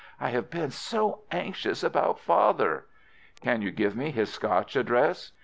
"I have been so anxious about father." "Can you give me his Scotch address?"